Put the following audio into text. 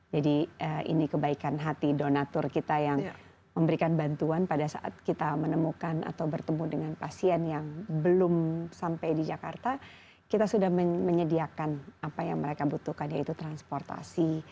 ini kebaikan hati donatur kita yang memberikan bantuan pada saat kita menemukan atau bertemu dengan pasien yang belum sampai di jakarta kita sudah menyediakan apa yang mereka butuhkan yaitu transportasi